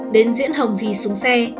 đến diễn hồng thì xuống xe